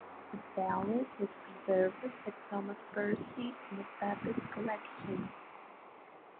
The ballad was preserved by Thomas Percy in the Pepys Collection.